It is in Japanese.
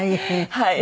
はい。